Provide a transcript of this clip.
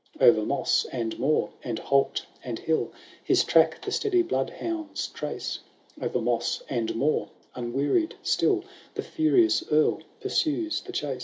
XXIV O'er moss, and moor, and holt, and hill, His track tbe steady blood hounds trace ; O'er moss and moor, unwearied still, The furious Earl pursues the chase.